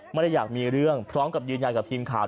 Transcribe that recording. ไม่ได้อยากมีเรื่องพร้อมกับยืนยันกับทีมข่าว